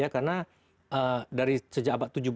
karena dari sejak